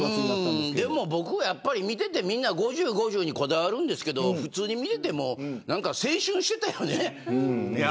でも、見ててみんな５０にこだわるんですけど普通に見てても何か青春してたよね。